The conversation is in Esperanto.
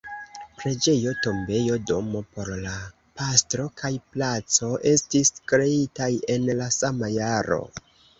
Preĝejo, tombejo, domo por la pastro kaj placo estis kreitaj en la sama jaro.